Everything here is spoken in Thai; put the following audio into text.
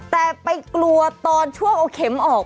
แต่ไปกลัวตอนช่วงเอาเข็มออก